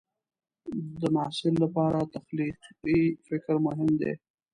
د محصل لپاره تخلیقي فکر مهم دی.